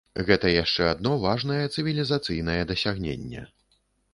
Гэта яшчэ адно важнае цывілізацыйнае дасягненне.